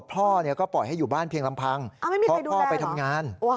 พ่อก็ปล่อยให้อยู่บ้านเพียงลำพังเพราะพ่อไปทำงาน